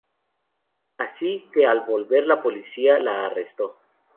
Así que, al volver, la policía la arrestó.